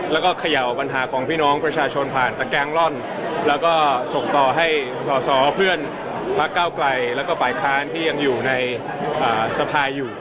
มานั่งเป้าไปเผื่อนพรรคเก้าไกลแล้วฝ่ายค้านที่ยังอยู่ในสภายอยู่